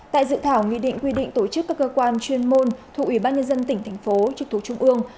tại dự thảo nghị định quy định tổ chức các cơ quan chuyên môn thuộc ủy ban nhân dân tỉnh thành phố trực thuộc trung ương